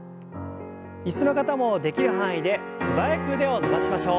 椅子の方もできる範囲で素早く腕を伸ばしましょう。